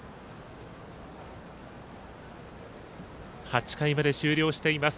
８回まで終了しています。